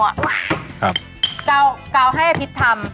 อุ๊าวครับกาวให้พิษทำ